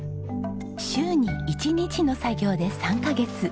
週に１日の作業で３カ月。